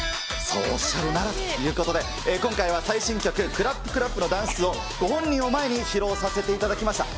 そうおっしゃるならということで、今回は最新曲、クラップクラップのダンスを、ご本人を前に披露させていただきました。